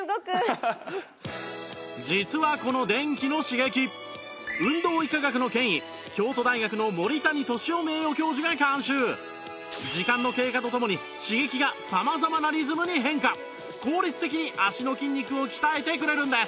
実はこの電気の刺激運動医科学の権威京都大学の森谷敏夫名誉教授が監修時間の経過とともに刺激が様々なリズムに変化効率的に足の筋肉を鍛えてくれるんです